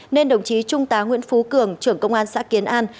nên đồng chí trung tá nguyễn phú cường trưởng công an xã kiến an